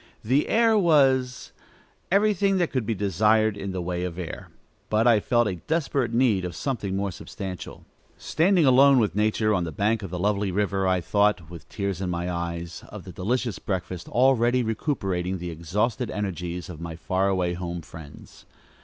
The air was everything that could be desired in the way of air, but I felt a desperate need of something more substantial. Standing alone with nature, on the bank of the lovely river, I thought, with tears in my eyes, of the delicious breakfast already recuperating the exhausted energies of my far away home friends.